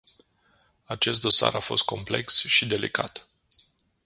Acest dosar a fost complex și delicat.